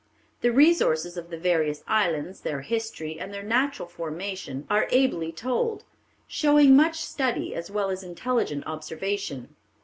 The resources of the various islands, their history, and their natural formation, are ably told, showing much study as well as intelligent observation.